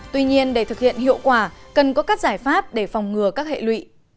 tuy nhiên để thực hiện hiệu quả cần có các giải pháp để phòng ngừa các hệ lụy